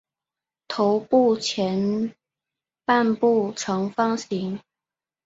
头部前半部呈方形。